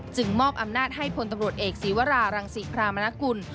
จึงมอบอำนาจให้พตเอกศิวรารังศิพรามณกุล